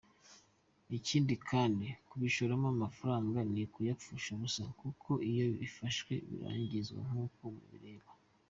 Ikindi kandi, kubishoramo amafaranga ni ukuyapfusha ubusa kuko iyo bifashwe birangizwa nk’uko mubireba.